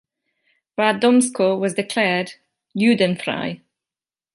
Radomsko was declared "Judenfrei".